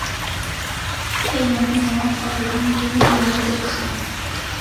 پەیوەندی نێوان قەڵەوبوون و ژەمی ئێوارە دەربخەن